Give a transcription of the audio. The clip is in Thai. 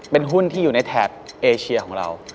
เป็นหุ้นที่อยู่ในแถบเอเชียของเรา